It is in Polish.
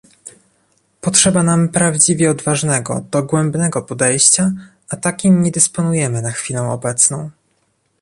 Potrzeba nam prawdziwie odważnego, dogłębnego podejścia, a takim nie dysponujemy na chwilę obecną